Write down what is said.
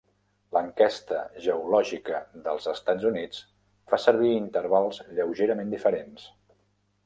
L'Enquesta Geològica dels Estats Units fa servir intervals lleugerament diferents.